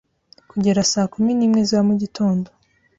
kugera saa kumi n’imwe za mugitondo,